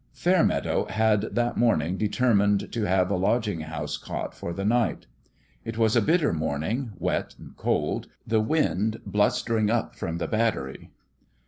Fairmeadow had that morning determined to 1 62 THEOLOGICAL TRAINING have a lodging house cot for the night. It was a bitter morning wet and cold, the wind blus tering up from the Battery.